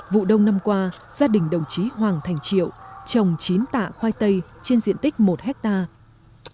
vụ đông năm qua gia đình đồng chí hoàng thành triệu trồng chín tạ khoai tây trên diện tích một hectare